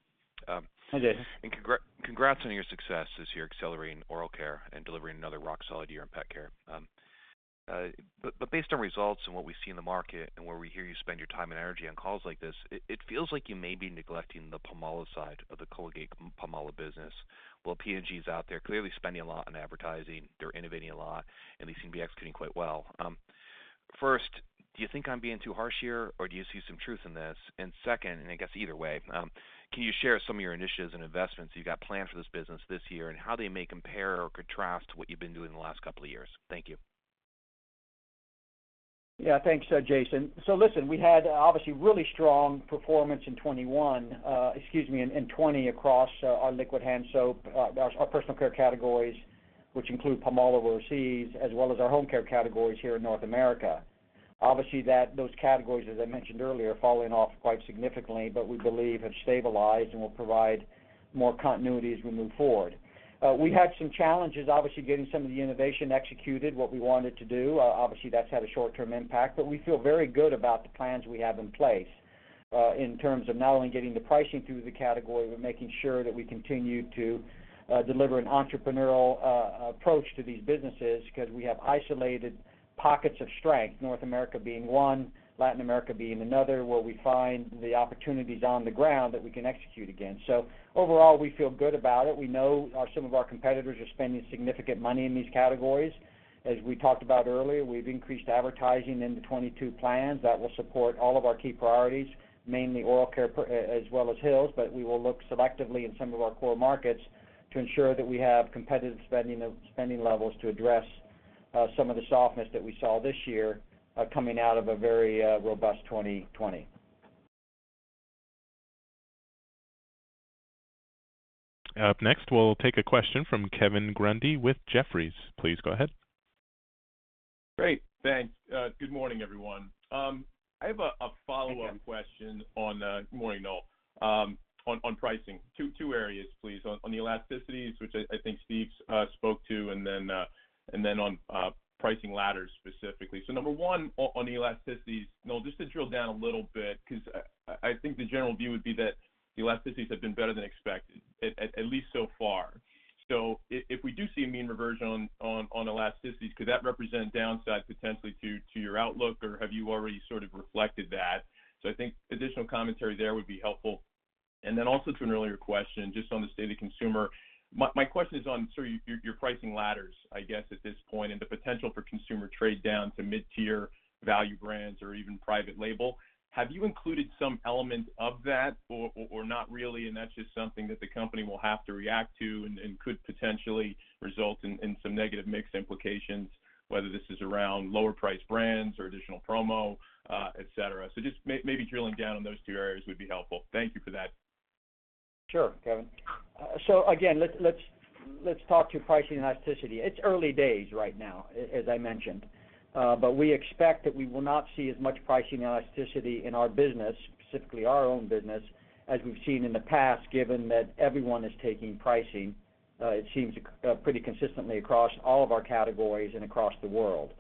Hi, Jason. Congrats on your success this year accelerating Oral Care and delivering another rock solid year in Pet Care. But based on results and what we see in the market and where we hear you spend your time and energy on calls like this, it feels like you may be neglecting the Palmolive side of the Colgate-Palmolive business. While P&G is out there clearly spending a lot on advertising, they're innovating a lot, and they seem to be executing quite well. First, do you think I'm being too harsh here, or do you see some truth in this? Second, and I guess either way, can you share some of your initiatives and investments you've got planned for this business this year, and how they may compare or contrast to what you've been doing the last couple of years? Thank you. Yeah. Thanks, Jason. Listen, we had obviously really strong performance in 2020 across our liquid hand soap, our personal care categories, which include Palmolive overseas, as well as our home care categories here in North America. Obviously, those categories, as I mentioned earlier, are falling off quite significantly, but we believe have stabilized and will provide more continuity as we move forward. We had some challenges, obviously, getting some of the innovation executed, what we wanted to do. Obviously, that's had a short-term impact, but we feel very good about the plans we have in place, in terms of not only getting the pricing through the category, but making sure that we continue to deliver an entrepreneurial approach to these businesses 'cause we have isolated pockets of strength, North America being one, Latin America being another, where we find the opportunities on the ground that we can execute against. Overall, we feel good about it. We know some of our competitors are spending significant money in these categories. As we talked about earlier, we've increased advertising in the 2022 plans that will support all of our key priorities, mainly oral care as well as Hill's. We will look selectively in some of our core markets to ensure that we have competitive spending levels to address some of the softness that we saw this year coming out of a very robust 2020. Up next, we'll take a question from Kevin Grundy with Jefferies. Please go ahead. Great. Thanks. Good morning, everyone. I have a follow-up question. Hey, Kevin. Good morning, Noel. On pricing. Two areas, please. On the elasticities, which I think Steve spoke to, and then on pricing ladders specifically. Number one, on the elasticities, Noel, just to drill down a little bit, 'cause I think the general view would be that the elasticities have been better than expected, at least so far. If we do see a mean reversion on elasticities, could that represent downside potentially to your outlook, or have you already sort of reflected that? I think additional commentary there would be helpful. Also to an earlier question, just on the state of the consumer, my question is on sort of your pricing ladders, I guess, at this point and the potential for consumer trade down to mid-tier value brands or even private label. Have you included some element of that or not really, and that's just something that the company will have to react to and could potentially result in some negative mix implications, whether this is around lower priced brands or additional promo, et cetera? Just maybe drilling down on those two areas would be helpful. Thank you for that. Sure, Kevin. Again, let's talk to pricing elasticity. It's early days right now, as I mentioned. We expect that we will not see as much pricing elasticity in our business, specifically our own business, as we've seen in the past, given that everyone is taking pricing, it seems, pretty consistently across all of our categories and across the world.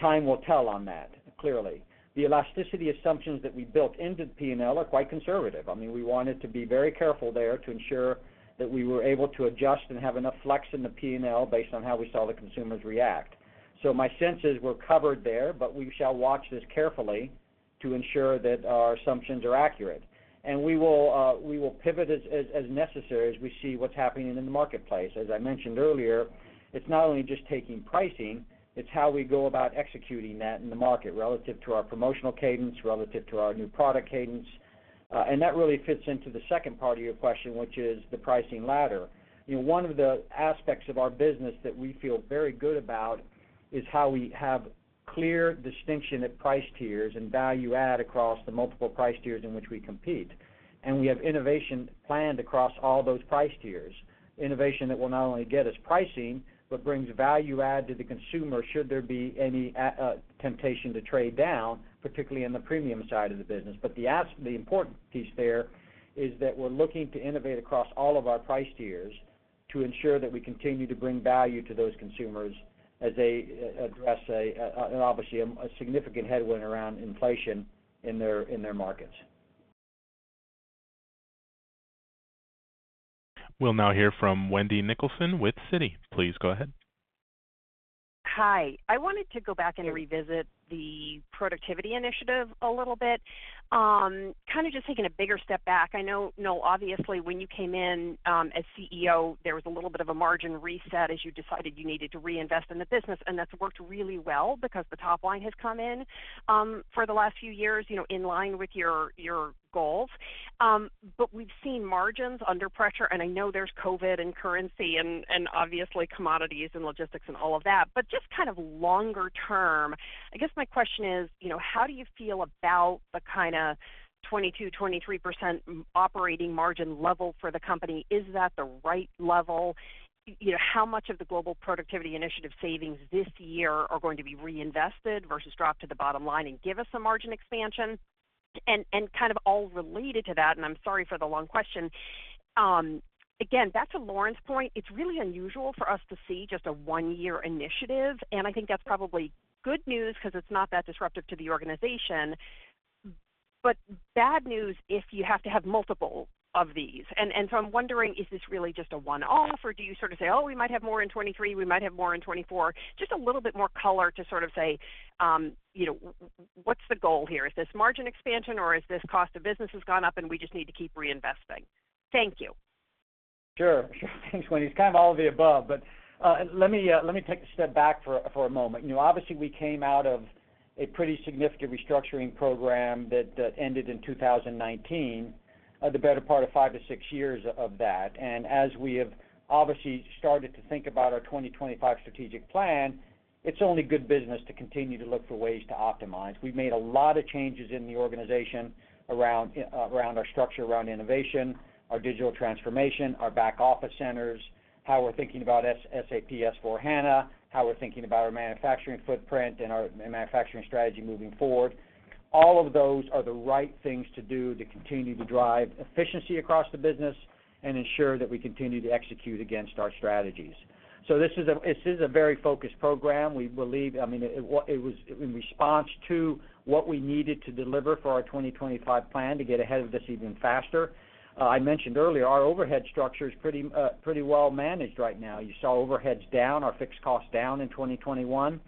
Time will tell on that, clearly. The elasticity assumptions that we built into the P&L are quite conservative. I mean, we wanted to be very careful there to ensure that we were able to adjust and have enough flex in the P&L based on how we saw the consumers react. My sense is we're covered there, but we shall watch this carefully to ensure that our assumptions are accurate. We will pivot as necessary as we see what's happening in the marketplace. As I mentioned earlier, it's not only just taking pricing, it's how we go about executing that in the market relative to our promotional cadence, relative to our new product cadence. That really fits into the second part of your question, which is the pricing ladder. You know, one of the aspects of our business that we feel very good about is how we have clear distinction at price tiers and value add across the multiple price tiers in which we compete. We have innovation planned across all those price tiers, innovation that will not only get us pricing, but brings value add to the consumer, should there be any temptation to trade down, particularly in the premium side of the business. The important piece there is that we're looking to innovate across all of our price tiers to ensure that we continue to bring value to those consumers as they address obviously a significant headwind around inflation in their markets. We'll now hear from Wendy Nicholson with Citi. Please go ahead. Hi. I wanted to go back and revisit the productivity initiative a little bit. Kind of just taking a bigger step back. I know, Noel, obviously, when you came in, as CEO, there was a little bit of a margin reset as you decided you needed to reinvest in the business, and that's worked really well because the top line has come in, for the last few years, you know, in line with your goals. We've seen margins under pressure, and I know there's COVID and currency and obviously commodities and logistics and all of that. Just kind of longer term, I guess my question is, you know, how do you feel about the kinda 22% to 23% operating margin level for the company? Is that the right level? You know, how much of the Global Productivity Initiative savings this year are going to be reinvested versus dropped to the bottom line and give us some margin expansion? Kind of all related to that, and I'm sorry for the long question, again, back to Lauren's point, it's really unusual for us to see just a one-year initiative, and I think that's probably good news 'cause it's not that disruptive to the organization. But bad news if you have to have multiple of these. I'm wondering, is this really just a one-off, or do you sort of say, "Oh, we might have more in 2023. We might have more in 2024." Just a little bit more color to sort of say, you know, what's the goal here? Is this margin expansion, or is this cost of business has gone up and we just need to keep reinvesting? Thank you. Sure. Thanks, Wendy. It's kind of all of the above. Let me take a step back for a moment. You know, obviously, we came out of a pretty significant restructuring program that ended in 2019, the better part of five to six years of that. As we have obviously started to think about our 2025 strategic plan, it's only good business to continue to look for ways to optimize. We've made a lot of changes in the organization around our structure, around innovation, our digital transformation, our back office centers, how we're thinking about SAP S/4HANA, how we're thinking about our manufacturing footprint and our manufacturing strategy moving forward. All of those are the right things to do to continue to drive efficiency across the business and ensure that we continue to execute against our strategies. This is a very focused program. We believe, I mean, it was in response to what we needed to deliver for our 2025 plan to get ahead of this even faster. I mentioned earlier, our overhead structure is pretty well managed right now. You saw overhead's down, our fixed cost down in 2021.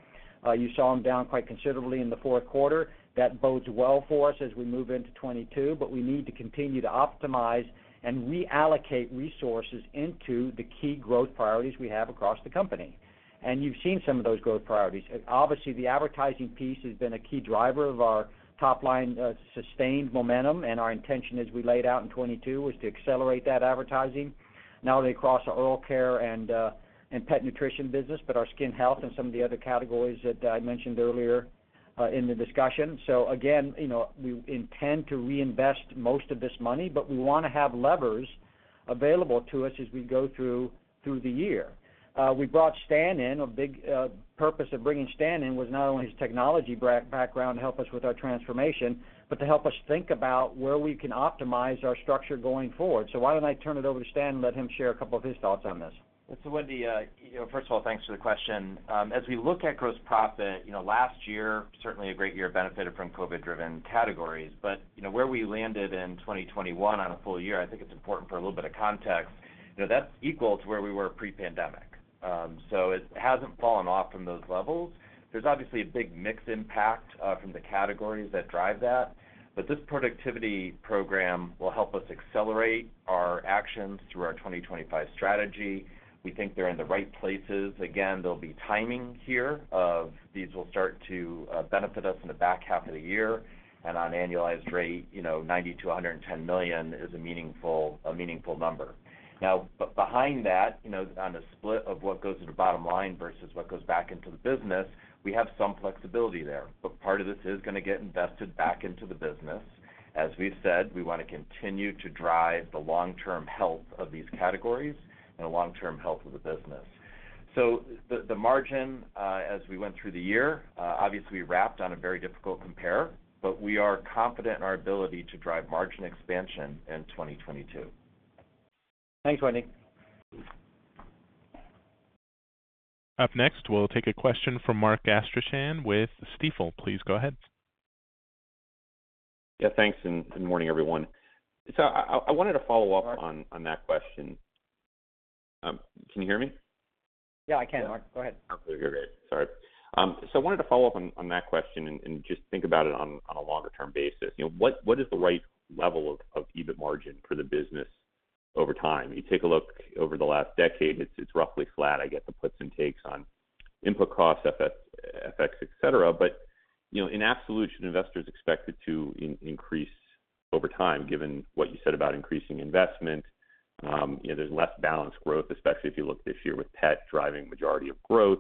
You saw them down quite considerably in the fourth quarter. That bodes well for us as we move into 2022, but we need to continue to optimize and reallocate resources into the key growth priorities we have across the company. You've seen some of those growth priorities. Obviously, the advertising piece has been a key driver of our top line, sustained momentum, and our intention as we laid out in 2022 is to accelerate that advertising not only across our oral care and pet nutrition business, but our skin health and some of the other categories that I mentioned earlier in the discussion. Again, you know, we intend to reinvest most of this money, but we wanna have levers available to us as we go through the year. We brought Stan in. A big purpose of bringing Stan in was not only his technology background to help us with our transformation, but to help us think about where we can optimize our structure going forward. Why don't I turn it over to Stan and let him share a couple of his thoughts on this? Wendy, you know, first of all, thanks for the question. As we look at gross profit, you know, last year, certainly a great year, benefited from COVID-driven categories. You know, where we landed in 2021 on a full year, I think it's important for a little bit of context, you know, that's equal to where we were pre-pandemic. It hasn't fallen off from those levels. There's obviously a big mix impact from the categories that drive that, but this productivity program will help us accelerate our actions through our 2025 strategy. We think they're in the right places. Again, there'll be timing here of these will start to benefit us in the back half of the year. On annualized rate, you know, $90 million to $110 million is a meaningful number. Now, behind that, you know, on the split of what goes to the bottom line versus what goes back into the business, we have some flexibility there. But part of this is gonna get invested back into the business. As we've said, we wanna continue to drive the long-term health of these categories and the long-term health of the business. The margin, as we went through the year, obviously wrapped on a very difficult compare, but we are confident in our ability to drive margin expansion in 2022. Thanks, Wendy. Up next, we'll take a question from Mark Astrachan with Stifel. Please go ahead. Yeah, thanks, and good morning, everyone. I wanted to follow up on that question. Can you hear me? Yeah, I can, Mark. Go ahead. Okay, great. Sorry. I wanted to follow up on that question and just think about it on a longer term basis. You know, what is the right level of EBIT margin for the business over time? You take a look over the last decade, it's roughly flat. I get the puts and takes on input costs, FX, et cetera. You know, in absolute, should investors expect it to increase over time, given what you said about increasing investment? You know, there's less balanced growth, especially if you look this year with pet driving majority of growth.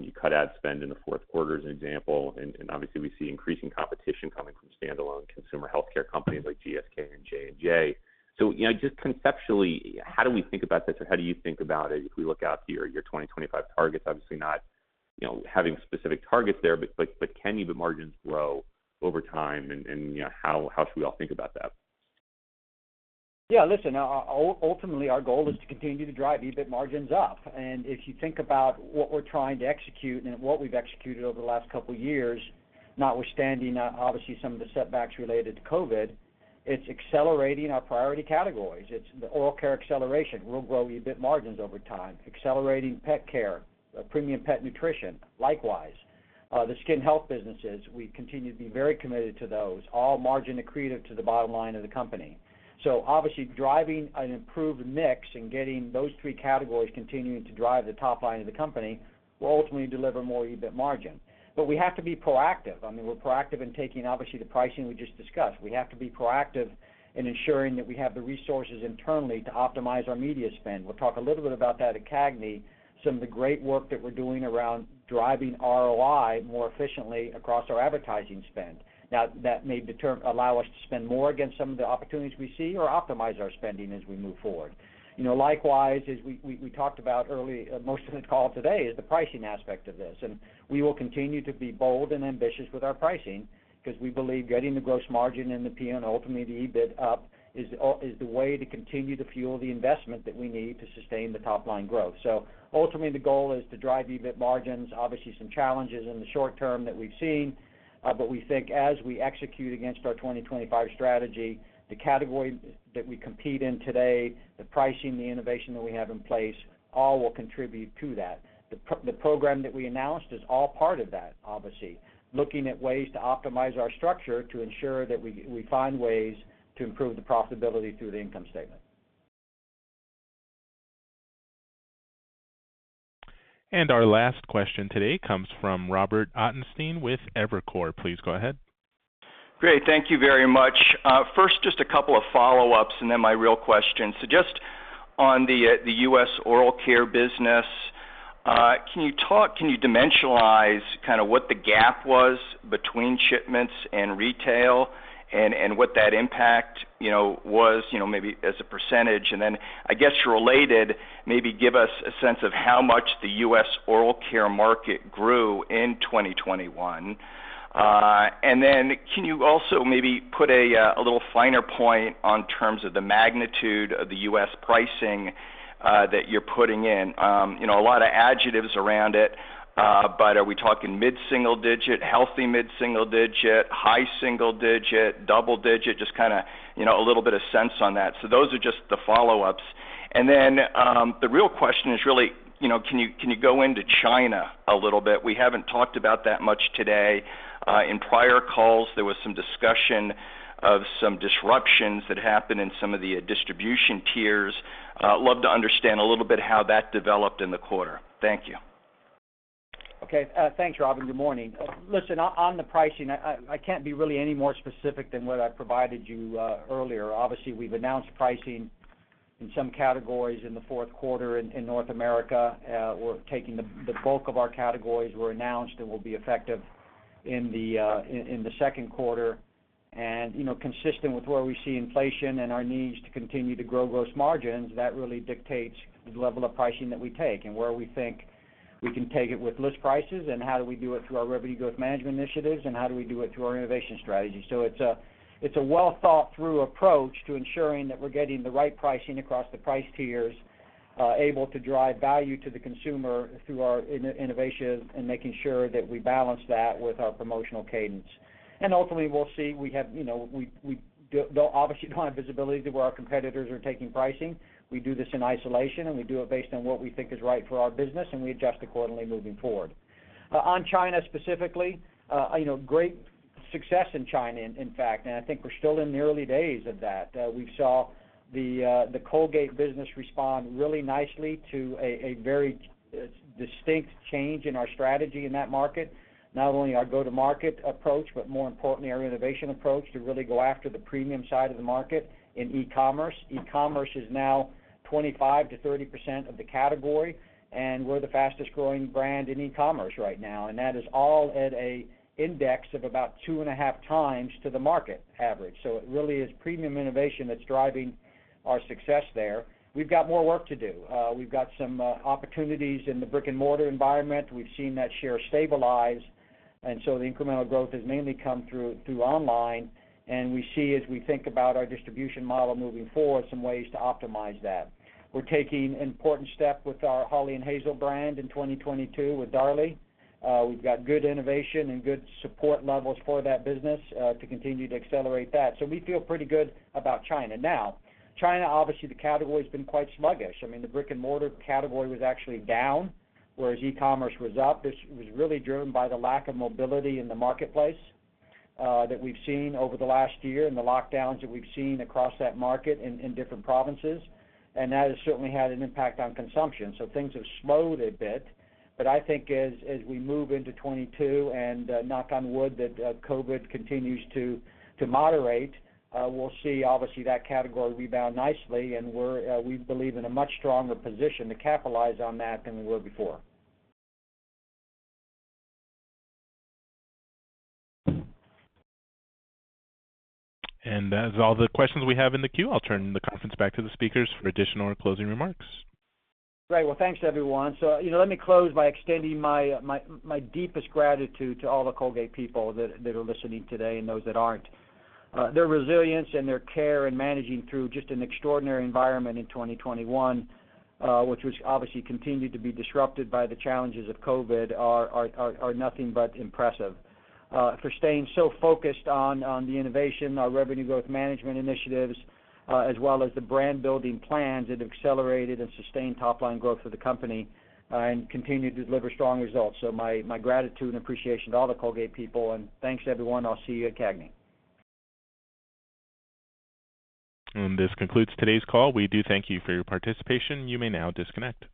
You cut ad spend in the fourth quarter, as an example, and obviously we see increasing competition coming from standalone consumer healthcare companies like GSK and J&J. You know, just conceptually, how do we think about this or how do you think about it if we look out to your 2025 targets? Obviously not, you know, having specific targets there, but can EBIT margins grow over time? You know, how should we all think about that? Yeah. Listen, ultimately, our goal is to continue to drive EBIT margins up. If you think about what we're trying to execute and what we've executed over the last couple years, notwithstanding, obviously, some of the setbacks related to COVID, it's accelerating our priority categories. It's the oral care acceleration. We'll grow EBIT margins over time. Accelerating pet care, premium pet nutrition, likewise. The skin health businesses, we continue to be very committed to those, all margin accretive to the bottom line of the company. Obviously, driving an improved mix and getting those three categories continuing to drive the top line of the company will ultimately deliver more EBIT margin. We have to be proactive. I mean, we're proactive in taking, obviously, the pricing we just discussed. We have to be proactive in ensuring that we have the resources internally to optimize our media spend. We'll talk a little bit about that at CAGNY, some of the great work that we're doing around driving ROI more efficiently across our advertising spend. Now, that may allow us to spend more against some of the opportunities we see or optimize our spending as we move forward. You know, likewise, as we talked about, most of the call today is the pricing aspect of this. We will continue to be bold and ambitious with our pricing because we believe getting the gross margin and the P&L, ultimately the EBIT up, is the way to continue to fuel the investment that we need to sustain the top line growth. Ultimately, the goal is to drive EBIT margins. Obviously, some challenges in the short term that we've seen. We think as we execute against our 2025 strategy, the category that we compete in today, the pricing, the innovation that we have in place, all will contribute to that. The program that we announced is all part of that, obviously. Looking at ways to optimize our structure to ensure that we find ways to improve the profitability through the income statement. Our last question today comes from Robert Ottenstein with Evercore ISI. Please go ahead. Great. Thank you very much. First, just a couple of follow-ups and then my real question. Just on the U.S. oral care business, can you dimensionalize kind of what the gap was between shipments and retail and what that impact, you know, was, you know, maybe as a percentage? And then I guess related, maybe give us a sense of how much the U.S. oral care market grew in 2021. And then can you also maybe put a little finer point in terms of the magnitude of the U.S. pricing that you're putting in? You know, a lot of adjectives around it, but are we talking mid-single digit, healthy mid-single digit, high single digit, double digit? Just kinda, you know, a little bit of sense on that. Those are just the follow-ups. The real question is really, you know, can you go into China a little bit? We haven't talked about that much today. In prior calls, there was some discussion of some disruptions that happened in some of the distribution tiers. Love to understand a little bit how that developed in the quarter. Thank you. Okay. Thanks, Robert. Good morning. Listen, on the pricing, I can't be really any more specific than what I provided you earlier. Obviously, we've announced pricing in some categories in the fourth quarter in North America. We're taking pricing in the bulk of our categories, which were announced and will be effective in the second quarter. You know, consistent with where we see inflation and our needs to continue to grow gross margins, that really dictates the level of pricing that we take and where we think we can take it with list prices and how we do it through our revenue growth management initiatives, and how we do it through our innovation strategy. It's a well-thought-through approach to ensuring that we're getting the right pricing across the price tiers, able to drive value to the consumer through our innovation and making sure that we balance that with our promotional cadence. Ultimately, we'll see. We obviously don't have visibility to where our competitors are taking pricing. We do this in isolation, and we do it based on what we think is right for our business, and we adjust accordingly moving forward. On China specifically, great success in China, in fact, and I think we're still in the early days of that. We saw the Colgate business respond really nicely to a very distinct change in our strategy in that market, not only our go-to-market approach, but more importantly, our innovation approach to really go after the premium side of the market in e-commerce. E-commerce is now 25% to 30% of the category, and we're the fastest-growing brand in e-commerce right now. That is all at an index of about two and a half times the market average. It really is premium innovation that's driving our success there. We've got more work to do. We've got some opportunities in the brick-and-mortar environment. We've seen that share stabilize, and so the incremental growth has mainly come through online. We see, as we think about our distribution model moving forward, some ways to optimize that. We're taking an important step with our Hawley & Hazel brand in 2022 with Darlie. We've got good innovation and good support levels for that business to continue to accelerate that. We feel pretty good about China. Now, China, obviously, the category's been quite sluggish. I mean, the brick-and-mortar category was actually down, whereas e-commerce was up. This was really driven by the lack of mobility in the marketplace that we've seen over the last year and the lockdowns that we've seen across that market in different provinces. That has certainly had an impact on consumption. Things have slowed a bit. I think as we move into 2022 and, knock on wood, that COVID continues to moderate, we'll see obviously that category rebound nicely, and we believe in a much stronger position to capitalize on that than we were before. That is all the questions we have in the queue. I'll turn the conference back to the speakers for additional or closing remarks. Great. Well, thanks everyone. You know, let me close by extending my deepest gratitude to all the Colgate people that are listening today and those that aren't. Their resilience and their care in managing through just an extraordinary environment in 2021, which was obviously continued to be disrupted by the challenges of COVID are nothing but impressive. For staying so focused on the innovation, our revenue growth management initiatives, as well as the brand-building plans that accelerated and sustained top-line growth for the company, and continued to deliver strong results. My gratitude and appreciation to all the Colgate people, and thanks everyone. I'll see you at CAGNY. This concludes today's call. We do thank you for your participation. You may now disconnect.